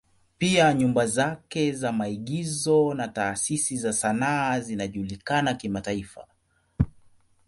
Pia nyumba zake za maigizo na taasisi za sanaa zinajulikana kimataifa.